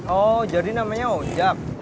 oh jadi namanya ojak